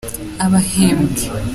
Abahembwe